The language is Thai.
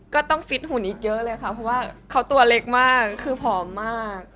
ฟิตหุ่นอีกเยอะเลยค่ะเพราะว่าเขาตัวเล็กมากคือผอมมาก